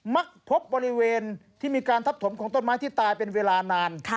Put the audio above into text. มักพบบริเวณที่มีการทับถมของต้นไม้ที่ตายเป็นเวลานาน